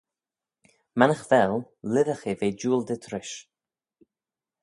Mannagh vel, lhisagh eh ve jiooldit rish.